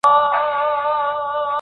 خپلي ميرمني ته بد مه واياست.